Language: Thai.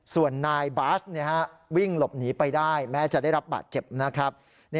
ส่วนนายบาสวิ่งหลบหนีไปได้แม้จะได้รับบาดเจ็บนะครับ